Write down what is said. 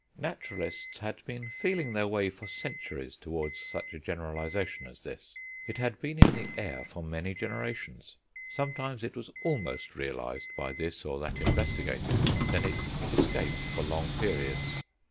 Naturalists had been feeling their way for centuries towards such a generalisation as this; it had been in the air for many generations; sometimes it was almost realised by this or that investigator, then it escaped for long periods.